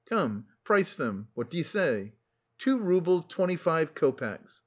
Come, price them! What do you say? Two roubles twenty five copecks!